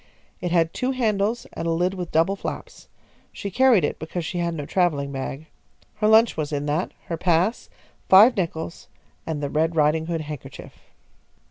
It had two handles and a lid with double flaps. She carried it because she had no travelling bag. Her lunch was in that, her pass, five nickels, and the Red Ridinghood handkerchief.